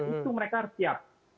itu mereka harus siap